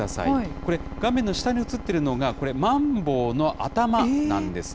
これ、画面の下に映っているのが、これ、マンボウの頭なんですね。